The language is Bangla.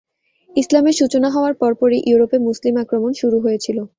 ইসলামের সূচনা হওয়ার পরপরই ইউরোপে মুসলিম আক্রমণ শুরু হয়েছিল।